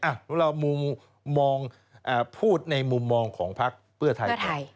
อ้าวเราพูดในมุมมองของภักดิ์เพื่อไทยก่อน